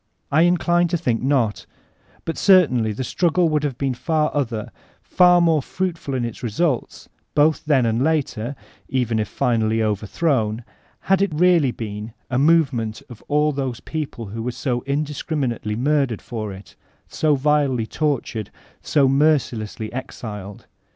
I incline to« think not But certainly the struggle would have been far other, far more fruitful in its results, both then and later, (even if finally overthrown), had it really been a movement of all those people who were so indiscriminate ly murdered for it, so vilely tortured, so mercilessly exiled.